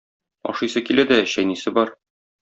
Ашыйсы килә дә чәйнисе бар.